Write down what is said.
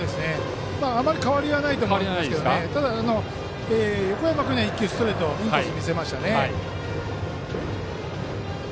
あまり変わりはないと思いますがただ、横山君には１球ストレートインコースに見せましたね。